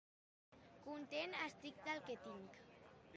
Content estic del que tinc.